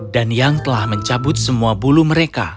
dan yang telah mencabut semua bulu mereka